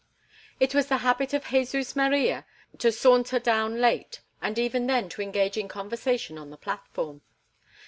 It was the habit of Jesus Maria to saunter down late, and even then to engage in conversation on the platform.